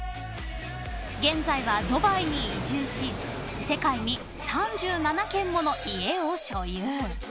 ［現在はドバイに移住し世界に３７軒もの家を所有］